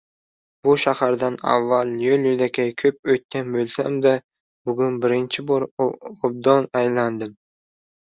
Bu shahardan avval yoʻl yoʻlakay koʻp oʻtgan boʻlsamda, bugun birinchi bor obdon aylandim.